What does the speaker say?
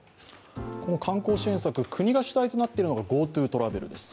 この観光支援策、国が主体となっているのがＧｏＴｏトラベルです。